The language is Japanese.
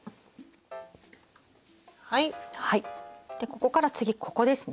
ここから次ここですね。